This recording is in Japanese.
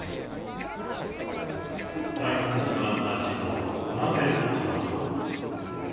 大惨事となった事故は、なぜ起きたのか。